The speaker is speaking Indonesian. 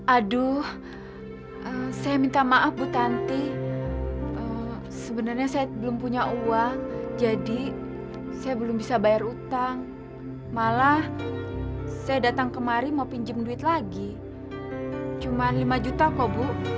aduh saya minta maaf bu tanti sebenarnya saya belum punya uang jadi saya belum bisa bayar utang malah saya datang kemari mau pinjam duit lagi cuma lima juta kok bu